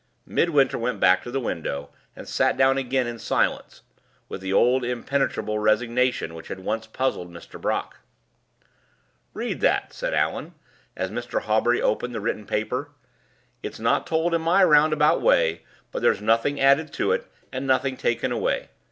Midwinter went back to the window, and sat down again in silence, with the old impenetrable resignation which had once puzzled Mr. Brock. "Read that, doctor," said Allan, as Mr. Hawbury opened the written paper. "It's not told in my roundabout way; but there's nothing added to it, and nothing taken away.